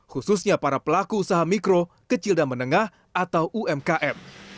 khususnya para pelaku usaha mikro kecil dan menengah atau umkm